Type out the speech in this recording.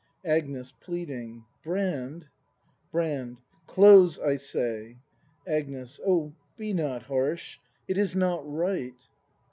Agnes. [Pleading.] Brand ! Brand. Close, I say! Agnes. Oh, be not harsh, it is not right.